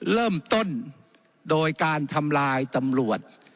เริ่มต้นโดยการทำลายตำรวจ